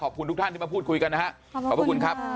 ขอบคุณทุกท่านที่มาพูดคุยกันนะฮะขอบพระคุณครับ